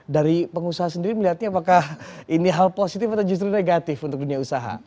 dari pengusaha sendiri melihatnya apakah ini hal positif atau justru negatif untuk dunia usaha